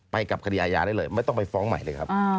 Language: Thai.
กับคดีอาญาได้เลยไม่ต้องไปฟ้องใหม่เลยครับ